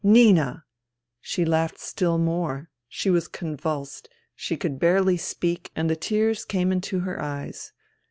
" Nina !" She laughed still more. She was convulsed ; she could barely speak, and the tears came into her eyes.